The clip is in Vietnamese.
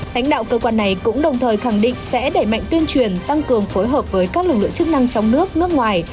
lãnh đạo cơ quan này cũng đồng thời khẳng định sẽ đẩy mạnh tuyên truyền tăng cường phối hợp với các lực lượng chức năng trong nước nước ngoài